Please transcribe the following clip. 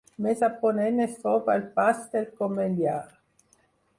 Més a ponent es troba el Pas del Comellar.